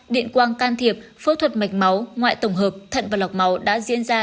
điện quang can thiệp phẫu thuật mạch máu ngoại tổng hợp thận và lọc máu đã diễn ra